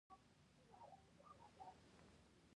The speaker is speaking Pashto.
پتلون مې هم ایسته کړ، و مې ځړاوه.